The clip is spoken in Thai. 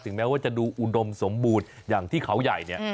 แม้ว่าจะดูอุดมสมบูรณ์อย่างที่เขาใหญ่เนี่ย